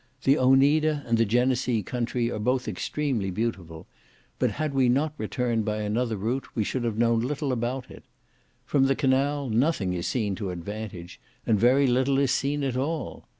The Oneida and the Genesee country are both extremely beautiful, but had we not returned by another route we should have known little about it. From the canal nothing is seen to advantage, and very little is seen at all.